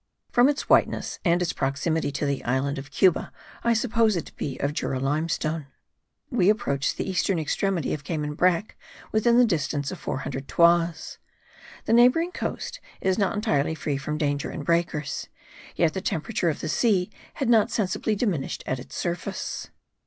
From its whiteness and its proximity to the island of Cuba, I supposed it to be of Jura limestone. We approached the eastern extremity of Cayman brack within the distance of 400 toises. The neighbouring coast is not entirely free from danger and breakers; yet the temperature of the sea had not sensibly diminished at its surface.